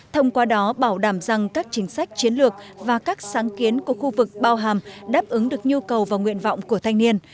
thông qua đó bảo đảm rằng các chính sách chiến lược và các sáng kiến của khu vực bao hàm đáp ứng được nhu cầu và nguyện vọng của thanh niên